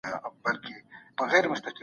که ته سودا کوې، نو پام کوه چي دوکه ونه خورې.